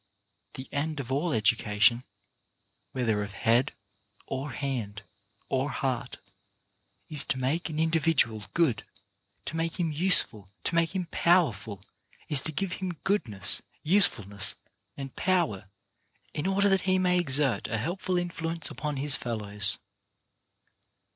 The end of all education, whether of head or hand or heart, is to make an individual good, to make him useful, to make him powerful ; is to give him goodness, usefulness and power in order that he may exert a helpful influence upon his fellows.